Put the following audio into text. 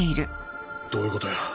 どういうことや？